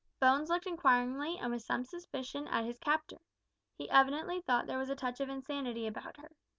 Bones looked inquiringly and with some suspicion at his captor. He evidently thought there was a touch of insanity about her.